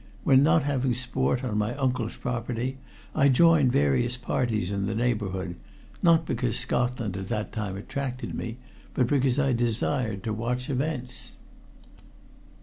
When not having sport on my uncle's property, I joined various parties in the neighborhood, not because Scotland at that time attracted me, but because I desired to watch events.